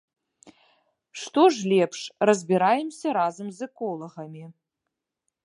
Што ж лепш, разбіраемся разам з эколагамі.